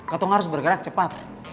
katong harus bergerak cepat